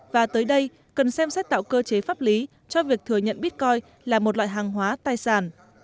và tới đây cần xem xét tạo cơ chế pháp lý cho việc thừa nhận bitcoin là một loại hàng hóa tài sản